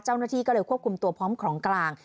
เจ้าหน้าที่ก็เลยควบคุมตัวพร้อมของกลาง